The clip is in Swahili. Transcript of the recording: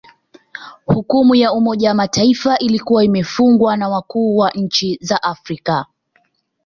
Hukumu ya Umoja wa Mataifa ilikuwa imefungwa na wakuu wa nchi za Afrika